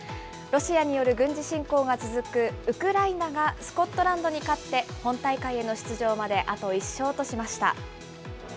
ロシアによる軍事侵攻が続くウクライナがスコットランドに勝って、本大会への出場まであと１勝としました。